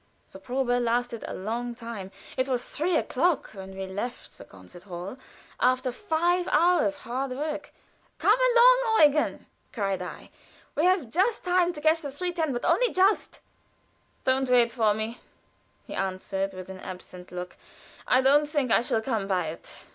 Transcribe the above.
The probe lasted a long time; it was three o'clock when we left the concert hall, after five hours' hard work. "Come along, Eugen," cried I, "we have just time to catch the three ten, but only just." "Don't wait for me," he answered, with an absent look. "I don't think I shall come by it.